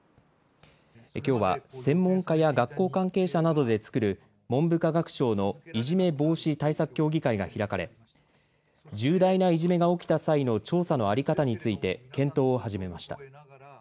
きょうは専門家や学校関係者などで作る文部科学省のいじめ防止対策協議会が開かれ、重大ないじめが起きた際の調査の在り方について検討を始めました。